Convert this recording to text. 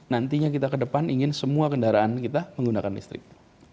nantinya kita ke depan ingin semua kendaraan kita menggunakan listrik